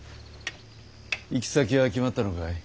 行き先は決まったのかい？